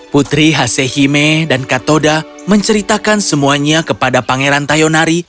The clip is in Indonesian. putri hasehime dan katoda menceritakan semuanya kepada pangeran tayonari